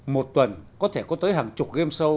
một tuần có thể có tới hàng chục game show